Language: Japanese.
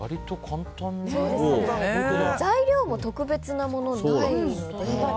材料も特別なものはないので。